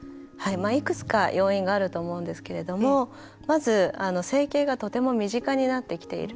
いくつか要因があると思うんですけれどもまず、整形がとても身近になってきている。